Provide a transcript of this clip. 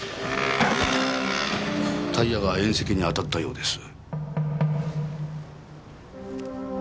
タイヤが縁石にあたったようです。